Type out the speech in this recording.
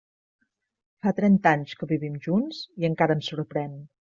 Fa trenta anys que vivim junts i encara em sorprèn.